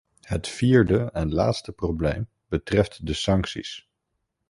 Het vierde en laatste probleem betreft de sancties.